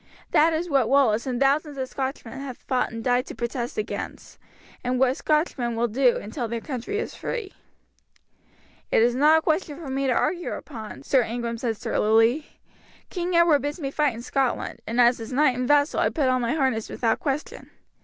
That is what Wallace and thousands of Scotchmen have fought and died to protest against, and what Scotchmen will do until their country is free." "It is not a question for me to argue upon," Sir Ingram said surlily. "King Edward bids me fight in Scotland, and as his knight and vassal I put on my harness without question.